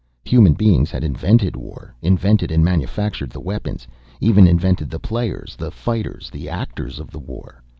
Human beings had invented war, invented and manufactured the weapons, even invented the players, the fighters, the actors of the war.